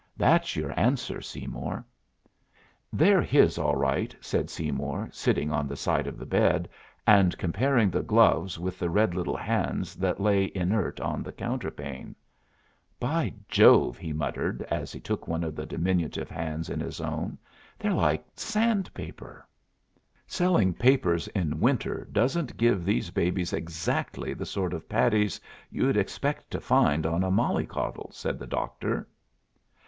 "That's your answer, Seymour!" "They're his, all right," said Seymour, sitting on the side of the bed, and comparing the gloves with the red little hands that lay inert on the counterpane. "By Jove!" he muttered, as he took one of the diminutive hands in his own. "They're like sandpaper." [Illustration: One by one the prisoners of the night dropped in surreptitiously. Page 155.] "Selling papers in winter doesn't give these babies exactly the sort of paddies you'd expect to find on a mollycoddle," said the doctor.